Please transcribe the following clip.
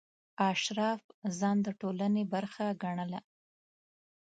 اشراف ځان د ټولنې برخه ګڼله.